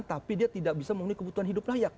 tapi dia tidak bisa memenuhi kebutuhan hidup layak